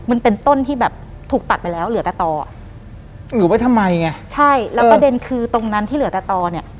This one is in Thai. มันเป็นต้นที่แบบถูกตัดไปแล้วเหลือแต่ต่ออ่ะเหลือไว้ทำไมไงใช่แล้วประเด็นคือตรงนั้นที่เหลือแต่ต่อเนี้ย